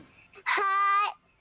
はい。